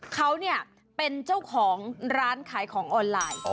เขาเนี่ยเป็นเจ้าของร้านขายของออนไลน์